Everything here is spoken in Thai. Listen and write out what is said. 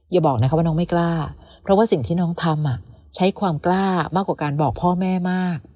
อย่าบอกนะคะว่าน้องไม่กล้าเพราะว่าสิ่งที่น้องทำใช้ความกล้ามากกว่าการบอกพ่อแม่มาก